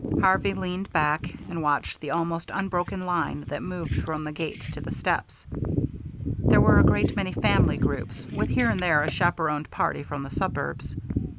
Harvey leaned back and watched the almost unbroken line that moved from the gate to the steps. There were a great many family groups, with here and there a chaperoned party from the suburbs.